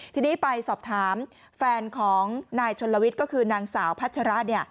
ทีนี้ไปสอบถามแฟนของนายชนลวิทย์ก็คือนางสาวพัชระ